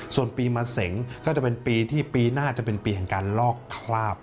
ส่วนปีมะเสงก็จะเป็นปีที่ปีหน้าจะเป็นปีแห่งการลอกคราบ